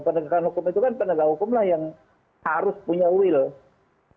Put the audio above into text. pendegakan hukum itu kan pendegak hukumlah yang harus punya will